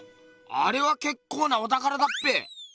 あれはけっこうなおたからだっぺ。